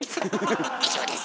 以上です。